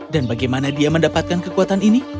dan bagaimana dia mendapatkan kekuatan ini